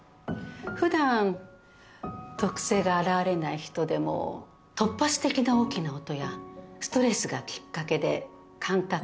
普段特性が現れない人でも突発的な大きな音やストレスがきっかけで感覚